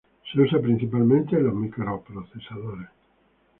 Se usa principalmente en los microprocesadores.